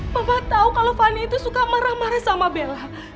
bapak tahu kalau fani itu suka marah marah sama bella